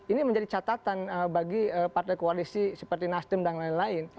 ini menjadi catatan bagi partai koalisi seperti nasdem dan lain lain